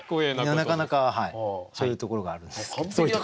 なかなかそういうところがある。